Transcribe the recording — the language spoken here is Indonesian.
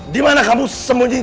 dimana kamu sembunyi citra